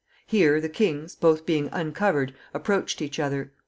Here the kings, both being uncovered, approached each other.